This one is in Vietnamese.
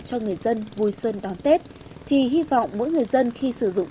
cho người dân vui xuân đón tết thì hy vọng mỗi người dân khi sử dụng